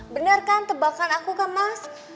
bener kan tebakan aku ke mas